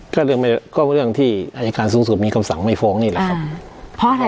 ก็เรื่องไม่ก็เรื่องที่อายการสูงสุดมีคำสั่งไม่ฟ้องนี่แหละครับเพราะอะไร